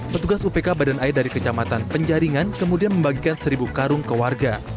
petugas upk badan air dari kecamatan penjaringan kemudian membagikan seribu karung ke warga